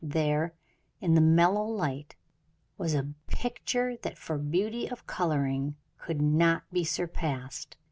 There, in the mellow light, was a picture that for beauty of coloring could not be surpassed.